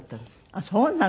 あっそうなの。